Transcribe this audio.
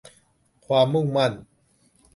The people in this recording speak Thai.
ความมุ่งมั่น